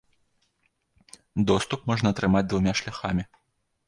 Доступ можна атрымаць двума шляхамі.